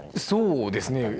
そうですね。